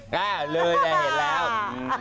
กล้าเลยได้เห็นแล้ว